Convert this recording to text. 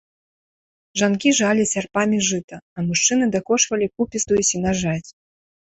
Жанкі жалі сярпамі жыта, а мужчыны дакошвалі купістую сенажаць.